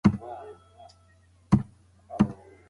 چې تاسو پرې وویاړئ.